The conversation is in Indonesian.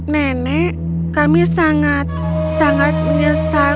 nenek kami sangat sangat menyesal